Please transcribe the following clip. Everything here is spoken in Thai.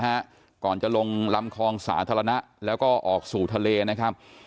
ก่อนจะลงลำคลองสาธารณะแล้วก็ออกสู่ทะเลนะครับ